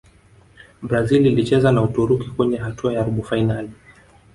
brazil ilicheza na Uturuki kwenye hatua ya robo fainali